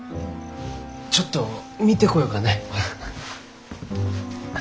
ちょっと見てこようかね。